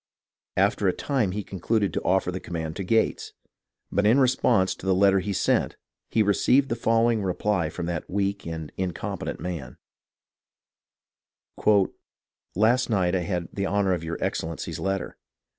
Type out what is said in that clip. After a time he concluded to offer the command to Gates; but in response to the letter he sent he received the fol lowing reply from that weak and incompetent man : "Last night I had the honour of your Excellency's letter.